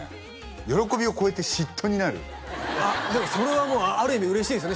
喜びを超えて嫉妬になるでもそれはもうある意味嬉しいですよね